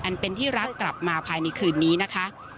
อันเป็นที่รักกลับมาภายในคืนนี้นะคะ